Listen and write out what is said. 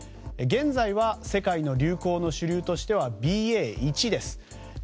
現在は世界の流行の主流としてはＢＡ．１です。